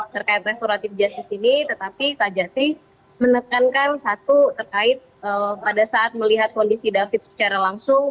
terkait restoratif justice ini tetapi kak jati menekankan satu terkait pada saat melihat kondisi david secara langsung